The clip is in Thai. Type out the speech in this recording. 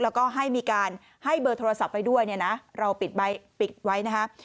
แล้วก็ให้มีการให้เบอร์โทรศัพท์ไว้ด้วยเนี่ยนะเราปิดไว้นะฮะ